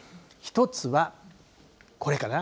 １つは、これかな。